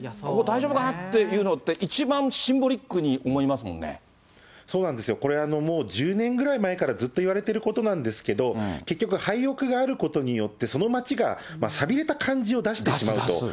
ここ大丈夫かなっていうのが、一番シンボリックに思いますそうなんですよ、これ、もう１０年ぐらい前からずっと言われていることなんですけど、結局、廃屋があることによって、その街が寂れた感じを出してしまうと。